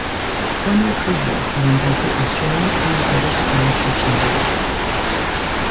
One year previous he won both the Australian and British Amateur Championships.